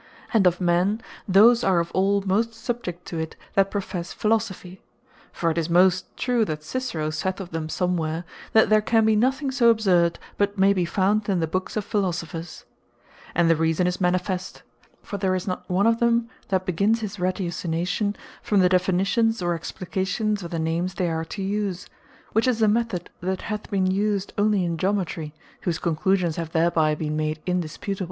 And of men, those are of all most subject to it, that professe Philosophy. For it is most true that Cicero sayth of them somewhere; that there can be nothing so absurd, but may be found in the books of Philosophers. And the reason is manifest. For there is not one of them that begins his ratiocination from the Definitions, or Explications of the names they are to use; which is a method that hath been used onely in Geometry; whose Conclusions have thereby been made indisputable.